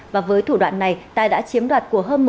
và với thủ đoạn này tài đã chiếm đoạt của hơn một sáu trăm linh